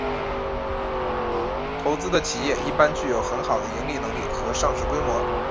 投资的企业一般具有很好的盈利能力和上市规模。